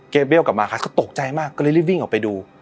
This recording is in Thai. เบเบลกลับมาครับก็ตกใจมากก็เลยรีบวิ่งออกไปดู